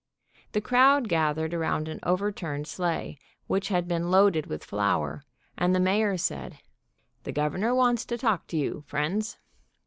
The crowd gathered around an overturned sleigh, which had been loaded with flour, and the mayor said: "The Governor wants to talk to you, friends."